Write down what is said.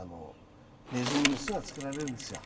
ネズミの巣が作られるんですよ。